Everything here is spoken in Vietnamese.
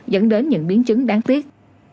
dẫn đến những biến chứng đáng tiếc